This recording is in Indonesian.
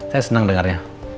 saya senang dengarnya